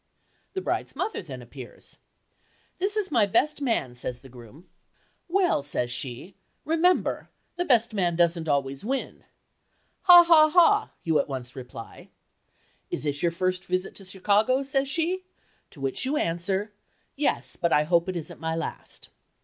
The bride's mother then appears. "This is my best man," says the groom. "Well," says she, "remember—the best man doesn't always win." "Ha! Ha! Ha!" you at once reply. "Is this your first visit to Chicago?" says she, to which you answer, "Yes—but I hope it isn't my last."